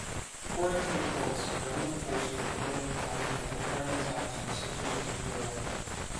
According to reports, government forces are currently planning or preparing attacks on the city of Misurata.